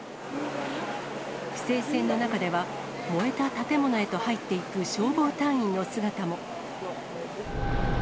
規制線の中では、燃えた建物へと入っていく消防隊員の姿も。